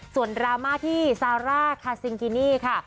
ส่วนดราม่าที่ซาร่าคาซิงกินี่ค่ะ